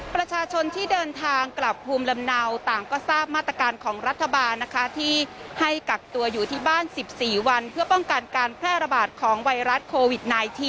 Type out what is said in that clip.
ประชาชนที่เดินทางกลับภูมิลำเนาต่างก็ทราบมาตรการของรัฐบาลนะคะที่ให้กักตัวอยู่ที่บ้าน๑๔วันเพื่อป้องกันการแพร่ระบาดของไวรัสโควิด๑๙